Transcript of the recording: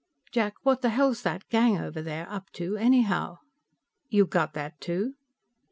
"Jack, what the hell's that gang over there up to anyhow?" "You got that, too?"